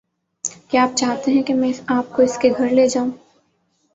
کیا آپ چاہتے ہیں کہ میں آپ کو اس کے گھر لے جاؤں؟